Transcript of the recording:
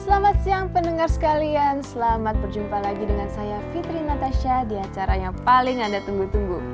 selamat siang pendengar sekalian selamat berjumpa lagi dengan saya fitri natasha di acara yang paling anda tunggu tunggu